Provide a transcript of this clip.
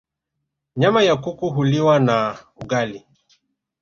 nyama ya kuku huliwa na na ugali